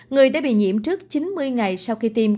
người đã bị nhiễm trước chín mươi ngày sau khi tiêm